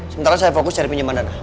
sementara saya fokus cari pinjaman dana